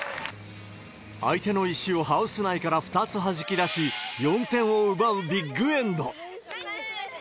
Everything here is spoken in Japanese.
相手の石をハウス内から２つはじき出し、４点を奪うビッグエンド。